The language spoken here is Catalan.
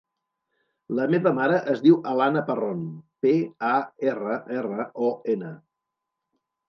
La meva mare es diu Alana Parron: pe, a, erra, erra, o, ena.